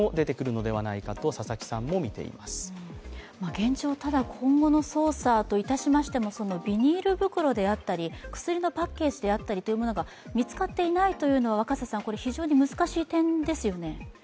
現状、ただ今後の捜査といたしましても、ビニール袋であったり薬のパッケージであったりが見つかっていないという点は若狭さん、非常に難しい点ですよね？